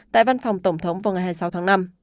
tại văn phòng tổng thống vào ngày hai mươi sáu tháng năm